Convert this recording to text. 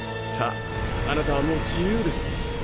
さああなたはもう自由です。